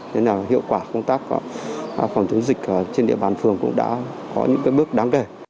nên là hiệu quả công tác phòng chống dịch trên địa bàn phường cũng đã có những bước đáng kể